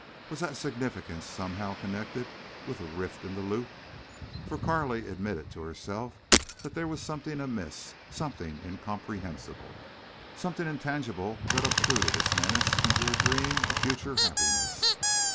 Was that significance somehow connected with the rift in the lute? For Carley admitted to herself that there was something amiss, something incomprehensible, something intangible that obtruded its menace into her dream of future happiness.